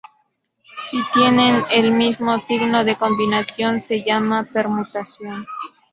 Si tienen el mismo signo la combinación se llama permutación.